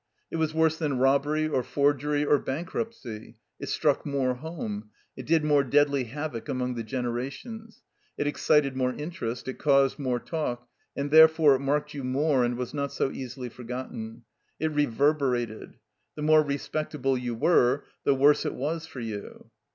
It was worse than robbery or forgery or bankruptcy ; it struck more home ; it did more deadly havoc among the generations. It excited more in terest; it caused more talk; and therefore it marked you more and was not so easily forgotten. It reverberated. The more respectable you were the worse it was for you.